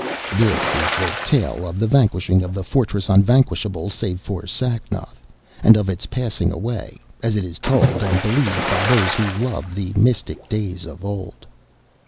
This is the tale of the vanquishing of The Fortress Unvanquishable, Save For Sacnoth, and of its passing away, as it is told and believed by those who love the mystic days of old.